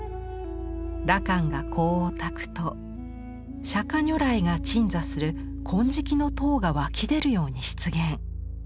羅漢が香を焚くと釈迦如来が鎮座する金色の塔が湧き出るように出現。